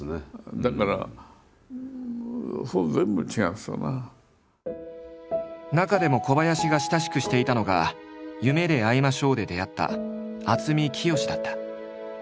だから中でも小林が親しくしていたのが「夢であいましょう」で出会った渥美清だった。